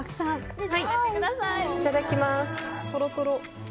いただきます。